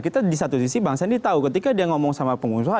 kita di satu sisi bang sandi tahu ketika dia ngomong sama pengusaha